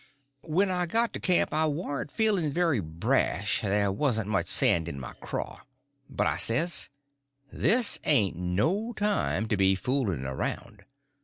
When I got to camp I warn't feeling very brash, there warn't much sand in my craw; but I says, this ain't no time to be fooling around.